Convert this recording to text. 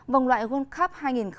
vòng loại world cup hai nghìn hai mươi hai